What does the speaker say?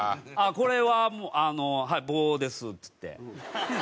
「これはあのはい棒です」っつって。